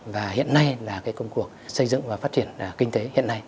và hiện nay là cái công cuộc xây dựng và phát triển kinh tế hiện nay